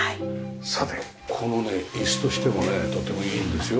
さてこのね椅子としてもねとてもいいんですよ。